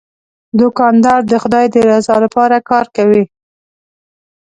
دوکاندار د خدای د رضا لپاره کار کوي.